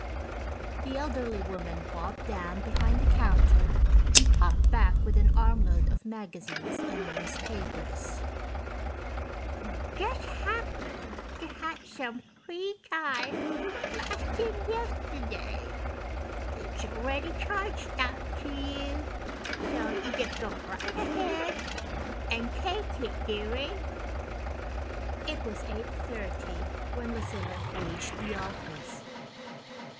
The elderly woman bobbed down behind the counter and popped back up with an armload of magazines and newspapers. "Just happened to have some free time last thing yesterday. It's already charged out to you, so you just go right ahead and take it, dearie." It was 8:30 when Lucilla reached the office.